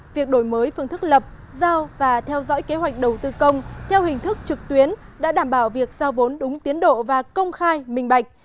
việc đổi mới phương thức lập giao và theo dõi kế hoạch đầu tư công theo hình thức trực tuyến đã đảm bảo việc giao vốn đúng tiến độ và công khai minh bạch